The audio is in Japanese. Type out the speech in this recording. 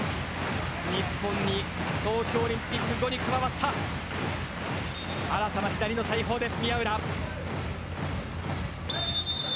日本に東京オリンピック後に加わった新たな左の大砲です、宮浦。